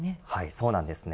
そうなんですね。